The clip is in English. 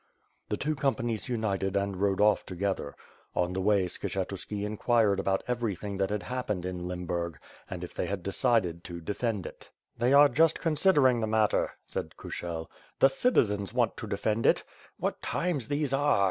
The two companies united and rode off together. On the way, Skshetuski enquired about everything that had hap pened in LembuTg and if they had decided to defend it. "They are just considering the matter," said Kushel, "The citizens want to defend it. What times these are!